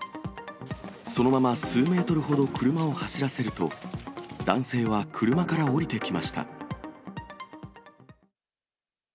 そのまま数メートルほど車を走らせると、男性は車から降りてきました。